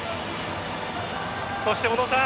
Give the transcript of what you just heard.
そして小野さん